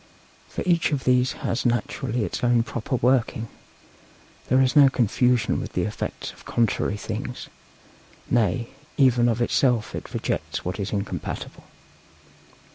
For each of these has naturally its own proper working; there is no confusion with the effects of contrary things nay, even of itself it rejects what is incompatible.